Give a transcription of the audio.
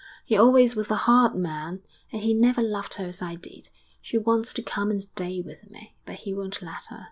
He always was a hard man, and he never loved her as I did. She wants to come and stay with me, but he won't let her.